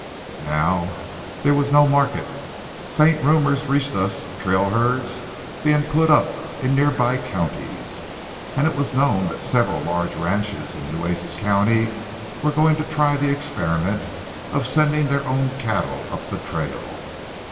But now there was no market. Faint rumors reached us of trail herds being put up in near by counties, and it was known that several large ranches in Nueces County were going to try the experiment of sending their own cattle up the trail.